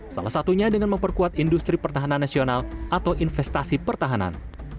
salah satunya dengan memperkuat industri pertahanan nasional atau investasi pertahanan